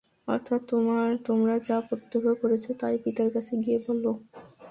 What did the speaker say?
অর্থাৎ তোমরা যা প্রত্যক্ষ করেছ তাই পিতার কাছে গিয়ে বল।